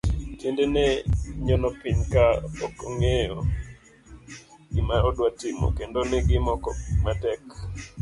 Tiende ne nyono piny ka okong'eyo gima odwa timo, kendo negi moko matek.